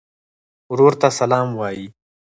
ورور ته سلام وایې.